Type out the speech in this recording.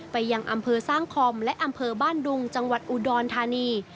ไปยังอำเภอสร้างคอมและอำเภอบ้านดุงจังหวัดอุดรธานี